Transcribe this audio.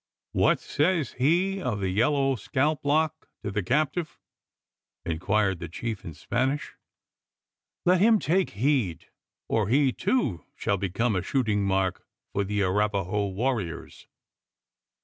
"What says he of the yellow scalp lock to the captive?" inquired the chief in Spanish. "Let him take heed, or he too shall become a shooting mark for the Arapaho warriors!"